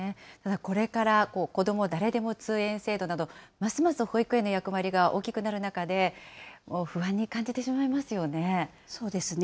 これから、こども誰でも通園制度など、ますます保育園の役割が大きくなる中で、不安に感じてしまいますそうですね。